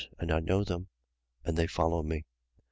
And I know them: and they follow me.